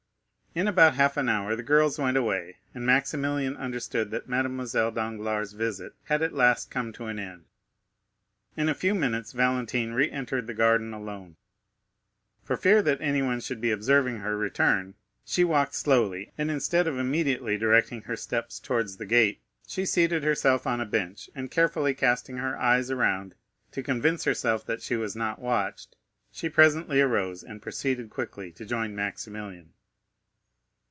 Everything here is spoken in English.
In about half an hour the girls went away, and Maximilian understood that Mademoiselle Danglars' visit had at last come to an end. In a few minutes Valentine re entered the garden alone. For fear that anyone should be observing her return, she walked slowly; and instead of immediately directing her steps towards the gate, she seated herself on a bench, and, carefully casting her eyes around, to convince herself that she was not watched, she presently arose, and proceeded quickly to join Maximilian.